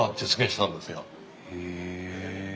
へえ！